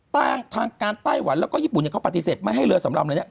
ตั้งทางการไต้หวันแล้วก็ญี่ปุ่นก็ปฏิเสธมาให้เรือสำราญเรือนี้